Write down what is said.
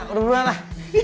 udah udah udah